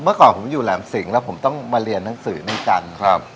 เมื่อก่อนผมอยู่แหลมสิงห์แล้วผมต้องมาเรียนหนังสือด้วยกันครับ